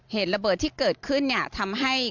เหตุระเบิดที่เกิดขึ้นเนี่ยทำให้